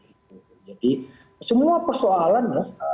jadi semua persoalan lah tidak hanya persoalan